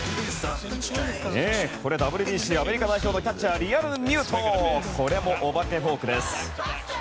ＷＢＣアメリカ代表のキャッチャーリアルミュートこれもお化けフォーク！